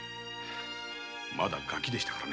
まだガキでしたから。